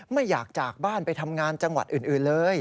ไม่อยากจากบ้านไปทำงานจังหวัดอื่นเลย